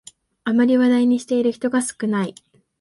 あまり話題にしている人が少ない